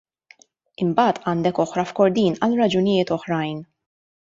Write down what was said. Imbagħad għandek oħra f'Kordin għal raġunijiet oħrajn.